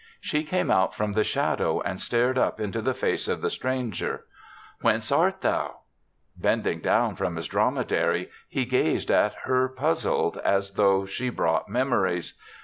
*' She came out from the shadow and stared up into the face of the stran ger. " Whence art thou ?" Bending down from his drome dary, he gazed at her puzzled, as though she brought memories.